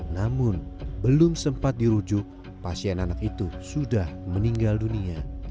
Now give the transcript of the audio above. namun belum sempat dirujuk pasien anak itu sudah meninggal dunia